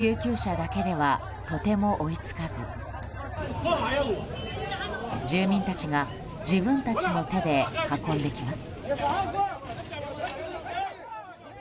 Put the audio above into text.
けが人の搬送は救急車だけではとても追いつかず住民たちが自分たちの手で運んできます。